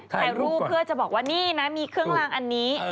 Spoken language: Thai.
ถ่ายรูปเพื่อจะบอกว่านี่นะมีเครื่องลางอันนี้